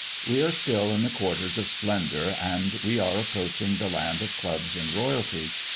We are still in the quarters of splendour, and we are approaching the land of clubs and royalty.